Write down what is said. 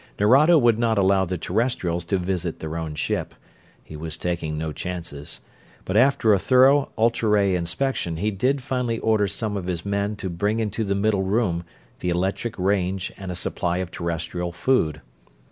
Nerado would not allow the Terrestrials to visit their own ship he was taking no chances but after a thorough ultra ray inspection he did finally order some of his men to bring into the middle room the electric range and a supply of Terrestrial food.